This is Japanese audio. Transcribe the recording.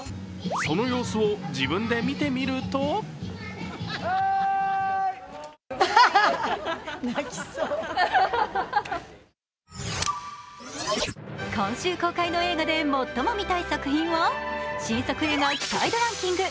その様子を自分で見てみると今週公開の映画で最も見たい作品を新作映画期待度ランキング。